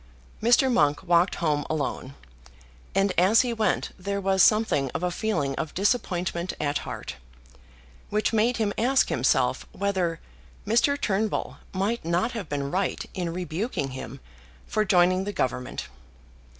Mr. Monk walked home alone, and as he went there was something of a feeling of disappointment at heart, which made him ask himself whether Mr. Turnbull might not have been right in rebuking him for joining the Government.